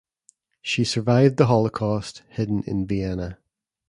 She survived the Holocaust hidden in Vienna.